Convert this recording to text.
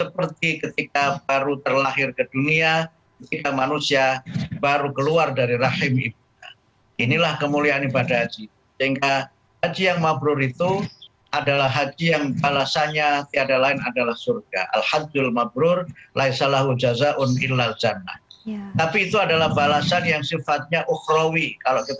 misi haji indonesia